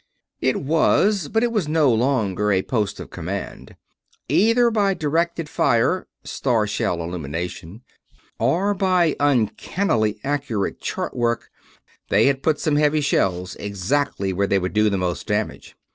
It was, but it was no longer a Post of Command. Either by directed fire star shell illumination or by uncannily accurate chart work, they had put some heavy shell exactly where they would do the most damage.